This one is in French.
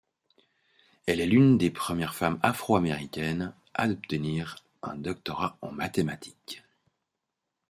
Elle est l'une des premières femmes afro-américaines à obtenir un doctorat en mathématiques.